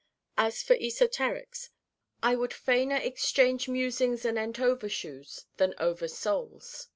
As for esoterics I would fainer exchange musings anent over shoes than over souls.